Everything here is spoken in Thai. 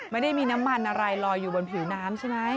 ไม่ได้มีน้ำมันอะไรลอยอยู่บนผิวน้ำใช่ไหม